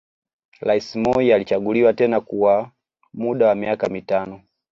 Rais Moi alichaguliwa tena kwa muda wa miaka mitano